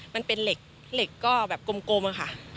มันเป็นเหล็กก็แบบกลมค่ะ